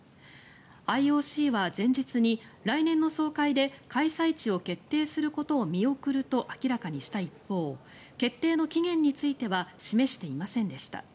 ＩＯＣは前日に来年の総会で開催地を決定することを見送ると明らかにした一方決定の期限については示していませんでした。